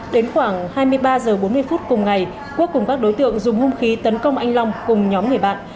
đến khoảng hai mươi ba h bốn mươi phút cùng ngày quốc cùng các đối tượng dùng hung khí tấn công anh long cùng nhóm người bạn